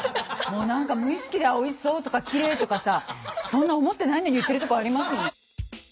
もう何か無意識で「あっおいしそう」とか「きれい」とかさそんな思ってないのに言ってるとこあります。